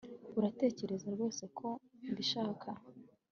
Uratekereza rwose ko mbishaka